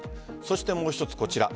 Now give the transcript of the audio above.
もう一つこちら。